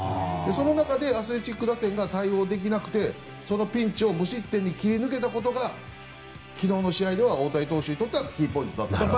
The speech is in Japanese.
その中で、アスレチックス打線が対応できなくてそのピンチを無失点に切り抜けたことが昨日の大谷投手にとってはキーポイントだったと。